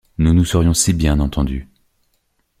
Nous nous serions si bien entendus!